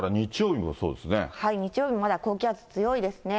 日曜日もまだ高気圧強いですね。